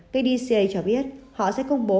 kdca cho biết họ sẽ công bố